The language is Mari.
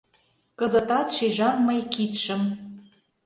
Кызытат шижам мый кидшым